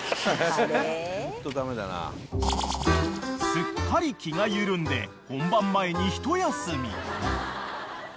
［すっかり気が緩んで本番前に一休み］